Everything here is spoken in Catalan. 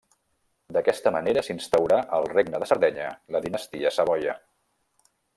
D'aquesta manera s'instaurà al Regne de Sardenya la dinastia Savoia.